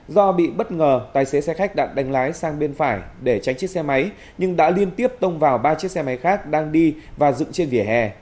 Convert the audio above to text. do bị bất ngờ tài xế xe khách đã đánh lái sang bên phải để tránh chiếc xe máy nhưng đã liên tiếp tông vào ba chiếc xe máy khác đang đi và dựng trên vỉa hè